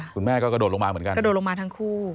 คุณแม่ก็กระโดดลงมาเหมือนกันกระโดดลงมาทั้งคู่